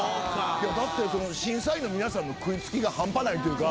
だって審査員の皆さんの食い付きが半端ないというか。